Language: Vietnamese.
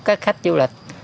các khách du lịch